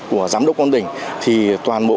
của giám đốc công an tỉnh thì toàn bộ